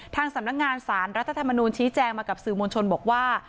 ทางสำนักงานสารรัฐธรรมนูลชี้แจงมากับสื่อมวลชนบอกว่า